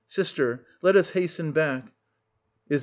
Sister, let us hasten back. Is.